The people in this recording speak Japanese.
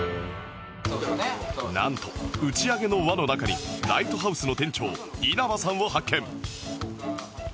なんと打ち上げの輪の中に ＬＩＧＨＴＨＯＵＳＥ の店長稲葉さんを発見